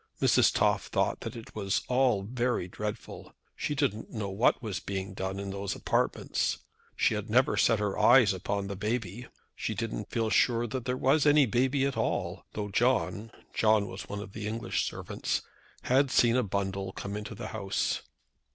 Mrs. Toff thought that it was all very dreadful. She didn't know what was being done in those apartments. She had never set her eyes upon the baby. She didn't feel sure that there was any baby at all, though John, John was one of the English servants, had seen a bundle come into the house.